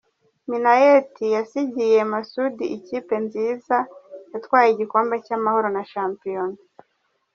Minnaert yasigiye Masudi ikipe nziza yatwaye igikombe cy’Amahoro na shampiyona.